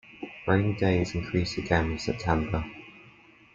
Rainy days increase again with September.